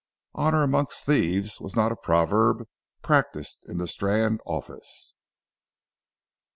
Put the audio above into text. "Honour amongst thieves" was not a proverb practised in the Strand office.